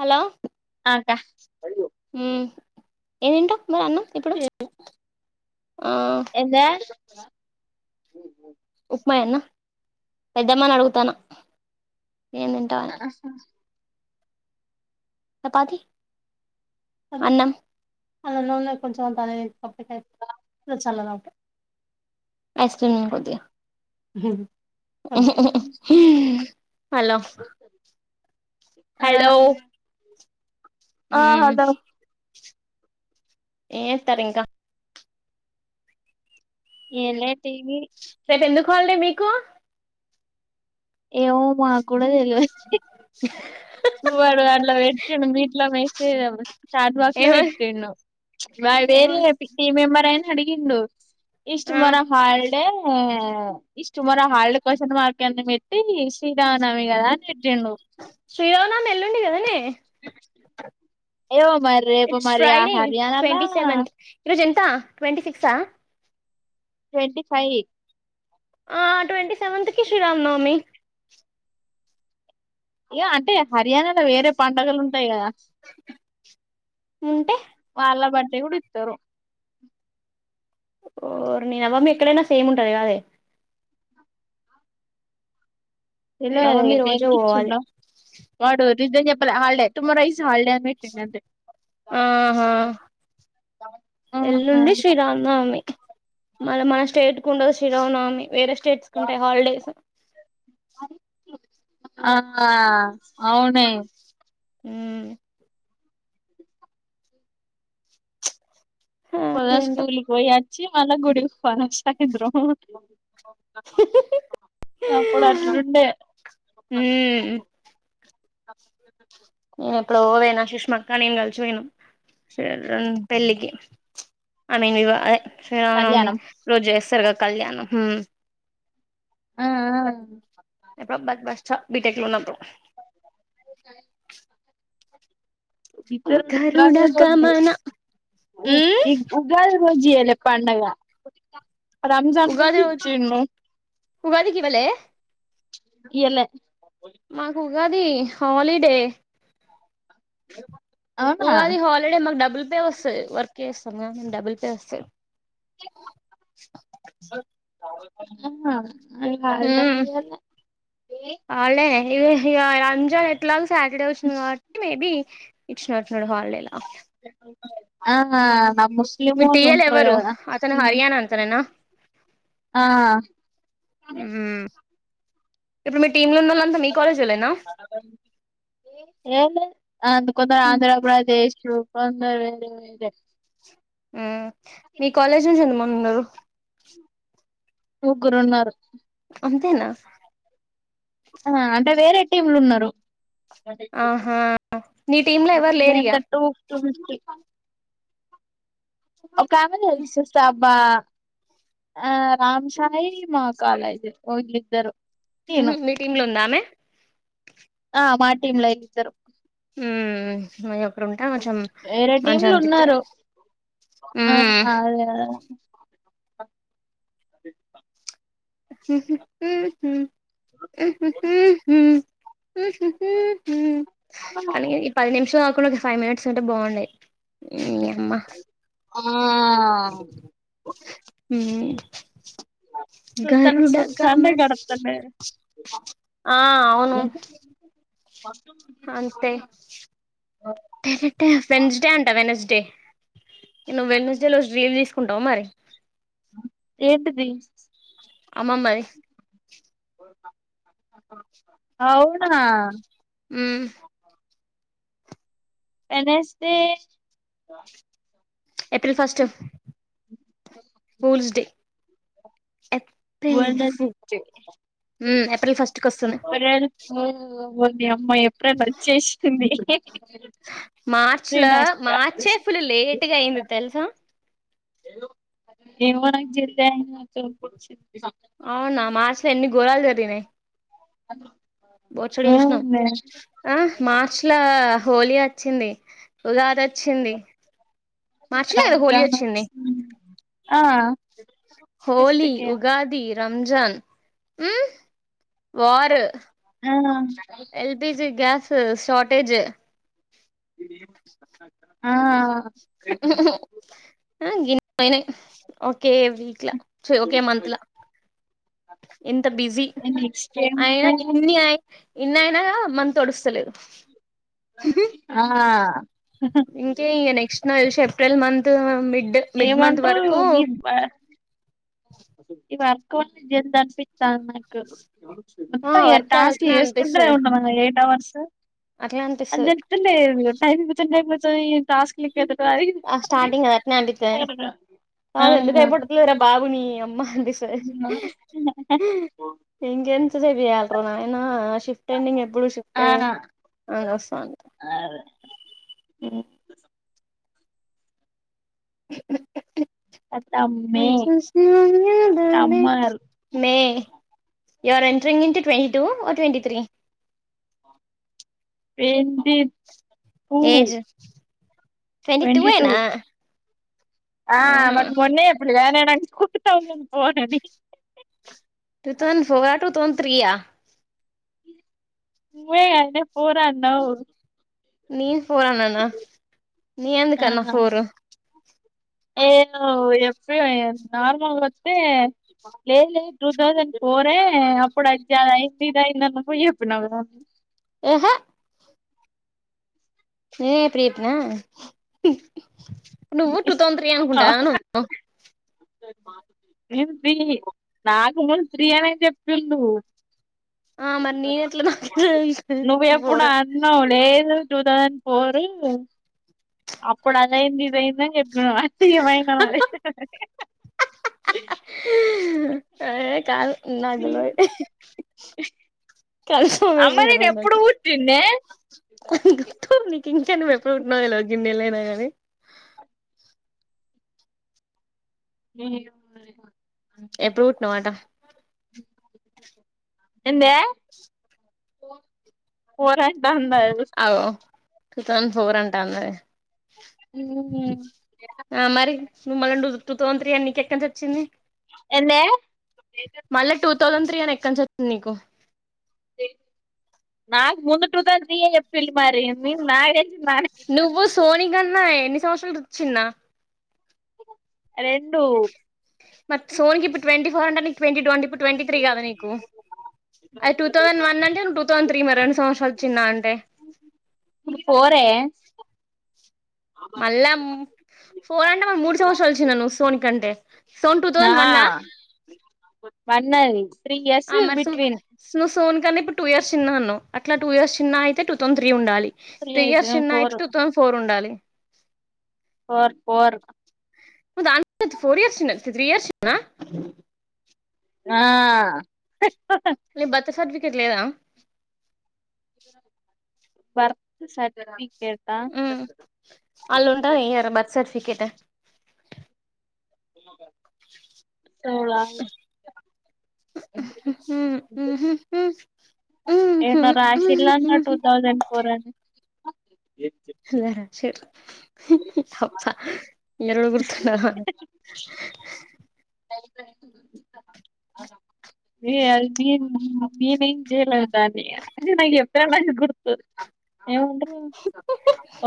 Hello ఆ అక్క ఉమ్ ఏం దింటవ్ మరి అన్నం ఇప్పుడు ఆ ఏందే ఉప్మాఏన్న పెద్దమ్మని అడుగుతాను ఏం తింటావని చాపాతి అన్నం అలాలోఉన్న కొంచెంత నువ్ చల్లగా ఐస్క్రీమ్ఏయ్ కొద్దిగా హాలో ఆ ఉ ఆ హలో ఏత్తారింకా ఎంలే రేపు ఎందుకు హాలిడే మీకు ఏమో మా కూడా తెలియచ్చ చూవాడు అట్లా పెట్టిండు మీట్లో వేస్టేజ్ చార్ట్ బాక్స్ లో ఏమ పెట్టిండు వాడు ఏమ వేరే హపీ టీమ్ మెంబర్ అయిన అడగగిండు ఇష్ట ఆ మర హా అే ఇష్ట మరో హార్డ్ క్వశ్చన్ మార్క్ ఎ పెట్టి శ్రీరానమి కదా అని పెట్టిండు శ్రీరామానవమి ఎల్లుండి కదనే ఏమో మరి రేపు ఇట్స్ మరి ఆ ఫ్రైడే హర్యానాలో ట్వంటి సెవెంత్ ఈరోజు ఎంత ట్వంటి సిక్స్ అ ట్వంటి ఫైవ్ ఆ ట్వంటీ సెవెన్త్కి శ్రీరామ్ నవమి ఏ అంటే హర్యానాలో వేరే పండుగలు ఉంటాయి కదా. ఉంటే వాళ్ళ బడ్డే కూడా ఇత్తరు ఓర్ని నవమీ ఎక్కడైనా సేమ్ ఉంటది కాదే చెల్లె నవమి రోజే దేనికి పోవాలి ఇచ్చిండో వాడు టీచర్స్ చెప్పలే హాలిడే టుమారో ఈ హాలిడే అని పెట్టిండు అంతే ఆహా ఆహా ఎల్లుండి శ్రీరామ్నవమి మళ్ళ మన స్టేట్ కు ఉండదు, శ్రీరామనవమి వేరే స్టేట్స్ కు ఉంటాయి హాలిడేస్. ఆహ అవునే ‌ఊ హా పోద ఏంటో స్కూల్కి పోయి వచ్చి మళ్ళ గుడికి పోని వచ్చిందిరో అప్పుడు అట్లుండే మ్మ్ నేను ఎప్పుడు ఓ పోయినా సుష్మా అక్క నేను కలిసిపోయినం పెళ్ళికి ఆ ఐ మీన్ వివాహ అదే శ్రీరామనవమి కళ్యాణం రోజు చేస్తారుగా కళ్యాణం అ ఆ ఎప్పు బ బస్ బీటెక్ లో ఉన్నప్పుడు [inaudible] ఇర గా గరుడ రోజ గమన మ్మ్ ఉగాల్ రోజ రేప్ పండగ రంజాన్ కుడా ఇచ్చిండు ఉగాది కి ఇవలే ఇయలే మాకు ఉగాది హాలిడే అవునా ఉగాది హల్డే మాగడబ్బల్ వస్ వర్క్ చేస్తంగా డబుల్ పేవస్ ఆ ఉమ్ [unintelligible] ఈ ఇగా రంజన్ ఎట్లాగ్ సాటర్డే ఓచ్చింది కావట్టి మేబీ ఇచ్ నర్ నడ్ వాడ్ లేలా ఆహా నా ముస్లిమో టీఎల్ ఉంట్రూ ఎవరు కదా అతను మ్ హర్యానా అంతనేనా అ ఉమ్ ఇప్పుడు మీ టీమ్ లో ఉన్నళ్ళంతా మీ కాలేజ వాలేనా ఏ అందు కొంత ఆంధ్రపదేశ్ వంద వేర వేరే మీ కాలేజ్ నుంచి ఎంతమని ఉన్నారు ముగ్గురు ఉన్నారు అంతేనా అంటే వేరే టీంలు ఉన్నరు ఆహా నీ టీమ్ లో ఎవరు లేరిగ ఎంత అంటే టూ టూ ఫిఫ్టీ కమ సేస్త [unintelligible] బా ఆ రామ్ సాయి మా కాలేజ్ వాళ్లిద్దరు మీటిటీమ్ లో ఉందా ఆమె ఆ మాటీమ్ల ఇద్దరు ఉ మ అప్పుడు ఉంటా కొంచెం వేరే మంచిం టీంలు అనిపిత్త ఉన్నారు ఆ అదే అ [inaudible] [inaudible] కానీ ఈ పది నిమిషం కాకుండా ఒక ఫైవ్ మినిట్స్ ఉంటే బాగుండయి నీ అమ్మా హ [unintelligible] సుత్తనికి సుత్తంటే గరుడగమన గడతలేదు ఆ అవును అంతే టరట వెన్స్డే అంటా వెనస్ డే నువ్ వెనస్ డే రజు రీల్ తీసుకుంటావ మరి ఏంటిది అమ్మమ్మ ది అవునా ఉ మ్ Venus day April first fools day April one April first కి వస్తుంది ఏప్రిల్ అంది అమ్మా ఏప్రిల్ వచ్చేసింది మార్చి లో నేను అక్క మార్చే ఫులు లేట్గా అయింది తెలుసా ఏమ నాకు జల్ చ కూ అవునా మార్చ్ లో ఎన్ని గోరాలు జరిగినాయి్ అ బొచ్చెడు జూసినం ఆ మార్చిల హోలీ వచ్చింది ఉగాది వచ్చింది మార్చలే కదా హోలీ వచ్చింది ఆ ఫిఫ్త్ హోలీ కే ఉగాది రంజాన్ ఉ వార్ ఆ ఎల్పి జి గ్యాస్ షార్టేజ్ ఆ [unintelligible] ఆ గిన్నీ పోయినయ్ ఓకే వీక్లా ఒకే మంత్లా ఎంత బిజీ నెక్స్ట్ అయినా ఏముందండి ఇన్నియి ఇన్ని అయినా మన తొడుస్తు లేదు ఆ ఇంకే ఇ నెక్స్ట్ నాకు దేలిసి April month mid mid month వరకు ఇ వర్క జ అ [unintelligible] నాకు ఆ వర్క్ టాస్క్ అట్నే చేసుకుంటే అనిపిస్తది ఉండం ఎయిట్ అవర్స్ అట్లే అది అనిపిస్తది జెప్తుంటే జేయ టైం గుర్చొని టస్క్ గ వారి ఆ స్టార్టింగ్ అది అట్నే అనిపిత్తది [unintelligible] బాబు నీ అమ్మ అంది సరి ఇంకా ఎంతసేపు చేయాలి రా నాయనా షిఫ్ట్ టైమింగ్ ఎప్పుడు షిఫ్ట్ ఆ టైమి ఆ [unintelligible] అతమ్మే summer May you are entering into twenty two ఓ ట్వంటీ త్రీ ఏంటి ఏజ్ ట్వంటీ టూ అవునా [unintelligible] టూ థౌసండ్ ఫోరా టూ థౌసండ్ త్రీయా మే ఫోరన్నావు నేను ఫోరన్నాన నేనేందుకన్న ఫోరు ఏ నువ్ చెప్తే నార్మల్ వస్తే లేదు లేదు టూ థౌసండ్ ఫోరే అప్పుడు [unintelligible] చెప్పినావు కదా ఏహే నేనెప్పుడు చెప్పిన నువ్వు టూ థౌసండ్ త్రీ ఆ, అనుకుంటానా నువ్వు నేను త్రీ నాకు ముందు త్రీ అనే చెప్పిండు ఆ మరి నేను ఎట్లా నాకు తెలుస్తది నువ్వెప్పుడు ఫోర్ అన్నవు లేదు టూ తౌసండ్ ఫోరు అప్పుడు అదైంది ఇదైందని చెప్పినావు [inaudible] ఏమైనాం అది ఆ ఏ కాదు నాకు తెల్వది [inaudible] ఈ అమ్మ నేను రోజు ఎప్పుడు నాకు పుట్టిన్నే [unintelligible] నీకు ఇంకా నువ్ ఎప్పుడు పుట్టినావు తెల్వదు గిన్నేళ్ళైనా గానీ నేను ఈడ ఉన్నది మా ఎప్పుడు పుట్టినావు అట ఎందే పోరాన్ డాందా గుస్ అగో టూ థౌసండ్ ఫోర్ అంటాందే ఊ ఆ మరి నువ్వు మళ్ళ నువ్వు టూ థౌసన్ త్రీ అని నీకెక్కనుంచొచ్చింది ఏందే తౌసన్ త్రీ అని ఎక్కనుంచొచ్చింది నీకు నాకు ముందు టూ తౌసన్ త్రీ ఏ జెప్పిల్లు మరి మీం మ్యారేజ్ నువ్వు సోని గన్నా ఎన్ని సంవత్సరాలురు చిన్న రెండు మరి సోని కి ఇప్పుడు ట్వంటీ ఫోర్ అంట నీకు ట్వంటీ ట్వంటీ పు ట్వంటీ త్రీ కదా నీకు అది టూ థౌసండ్ వన్ అంటే నువ్ తౌసన్ త్రీ మరి రెండు సంవత్సరాలు చిన్న అంటే పోరే మళ్ళా ము ఫోర్ అంటే మ మూడు సంవత్సరాలు చిన్న సోని కంటే సోన్ టూ ఆ థౌసండ్ వన్నా వన్ అది త్రీ ఇయర్స్ ఆ మరి సో బిట్వీన్ నువ్వు సోన్ కంటే ఇప్పుడు టూ ఇయర్స్ చిన్న అన్నవ్ అట్ల టూ ఇయర్స్ చిన్న అయితే టు థౌసండ్ త్రీ ఉండాలి త్రీ ఇయర్స్ చిన్న అయితే ఫోర్ టూ థౌసండ్ ఫోర్ ఉండాలి ఫోర్ దానికంటే అది ఫోర్ ఇయర్స్ చిన్న త్రీ ఇయర్స్ చిన్నా ఆ నీ బర్త్ సర్టిఫికెట్ లేదా బర్త్ సర్టఫి ఉమ్ అల్ల ఉంటది ఇయర్ బర్త్ సర్టిఫికేట్ [unintelligible] [unintelligible] [inaudible] ఎన్నో రాశిల్లనాడ్ టూ థౌసండ్ ఫోర్ అని [unintelligible] నెలలు గుర్తున్నాహ ఏయ్ అది మేం నేనేం చేయలే దాన్ని అది నాకు చెప్పుదామని గుర్తు ఏమంటున్నావ్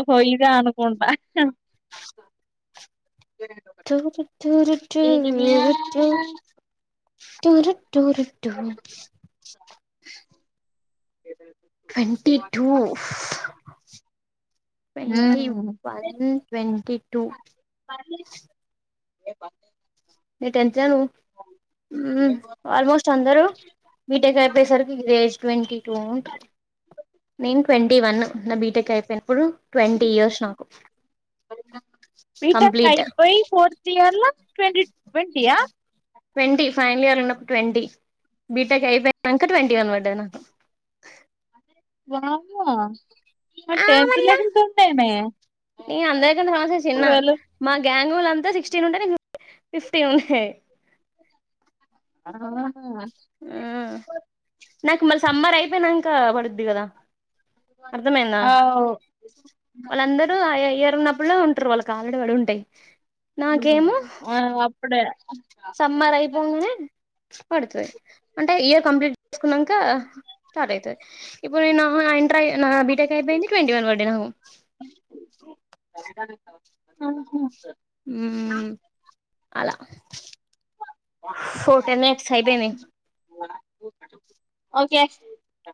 ఓహో ఇద అనుకుంటా [inaudible] టూరు ట్టురు టూరుట్టు టూరు టుూరుటు ట్వంటీ టూ ట్వంటీ మ్మ్ వన్ ట్వంటీ టూ [unintelligible] నీ టెన్షన్ ఉమ్ ఆల్మోస్ట్ అందరు బీటెక్ అయిపోయేసరికి లెష్ ట్లాంటరు నేను ట్వంటీ వన్ నా బీటెక్ అయిపోయినప్పుడు ట్వంటీ ఇయర్స్ నాకు బీటెక్ కంప్లీట్ అయిపోయి ఫోర్త్ ఇయర్లా ట్వన్ twenty yeah twenty final year ఉన్నప్పుడు ట్వంటీ బీటెక్ అయిపోయాక ట్వంటీ వన్ దేన వామ్మో మరి ఆ టెన్త్ మళ్ళ ల ఎంతుండేనే నేను ట్యూవెల్ తులంతా సిక్స్టీన్ ఉంటే నేను ఫిఫ్టీ ఒకే ఆహా నాకు మరి సమ్మార్ అయిపోయినంక పడుద్ది కదా అర్థమైందా ఆ అవ్ వాళ్ళందరూ ఆయా ఇయర్ ఉన్నపుడ్లో ఉంట్ర ఆల్రెడీ పడి ఉంటయి ఆహ్ అప్పుడే సమ్మర్ అయిపోంగనే పడుతది అంటే ఇయర్ కంప్లీట్ చేసుకున్నాక స్టార్ట్ అయితది ఇపుడు నా ఇంటర్ నా బీటెక్ అయిపోయింది ట్వంటీ వన్ పడ్డయి నాకు ఆహ ఉమ్ అలా ఫోటోనిక్స్ అయిపోయింది ఓకే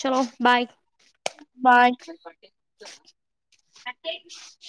చలో బాయ్ అంటే